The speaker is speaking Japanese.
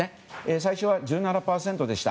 最初は１７％でした。